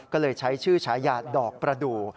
ก็เลยใช้ชื่อฉายาดอกประดูก